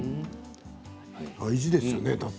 大事ですよね。